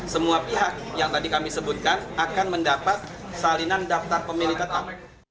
semua pihak yang tadi kami sebutkan akan mendapat salinan daftar pemilih tetap